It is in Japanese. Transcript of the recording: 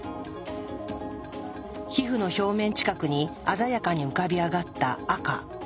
皮膚の表面近くに鮮やかに浮かび上がった赤。